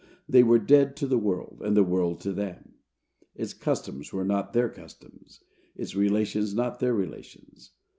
They were dead to the world, and the world to them. Its customs were not their customs; its relations not their relations.